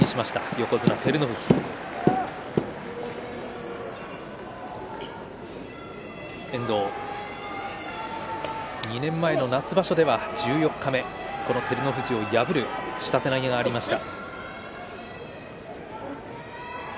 横綱照ノ富士、遠藤２年前の夏場所では十四日目この照ノ富士を破る下手投げがありました。